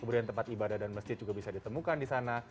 kemudian tempat ibadah dan masjid juga bisa ditemukan di sana